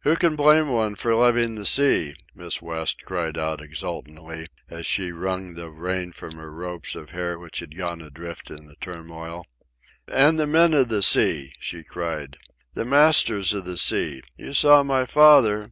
"Who can blame one for loving the sea?" Miss West cried out exultantly, as she wrung the rain from her ropes of hair which had gone adrift in the turmoil. "And the men of the sea!" she cried. "The masters of the sea! You saw my father